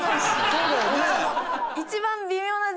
そうだよね。